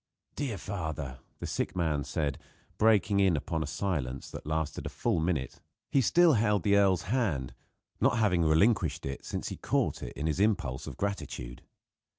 "Dear father," the sick man said, breaking in upon a silence that lasted a full minute, he still held the earl's hand, not having relinquished it since he had caught it in his impulse of gratitude.